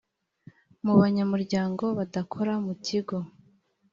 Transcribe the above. mu banyamuryango badakora mu kigo